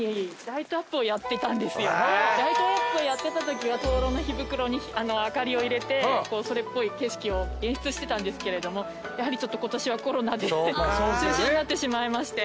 ライトアップをやってたときは灯籠の火袋に明かりを入れてそれっぽい景色を演出してたんですけれどもやはりちょっと今年はコロナで中止になってしまいまして。